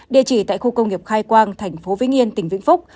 địa chỉ tại khu công nghiệp khai quang tp vĩnh yên tỉnh vĩnh phúc